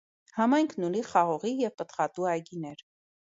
Համայնքն ունի խաղողի և պտղատու այգիներ։